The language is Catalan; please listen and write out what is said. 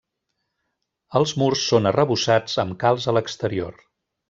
Els murs són arrebossats amb calç a l'exterior.